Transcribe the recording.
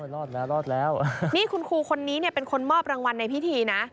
รอดแล้วนี่คุณครูคนนี้เป็นคนมอบรางวัลในพิธีนะ